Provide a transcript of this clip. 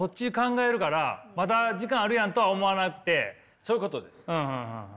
そういうことです。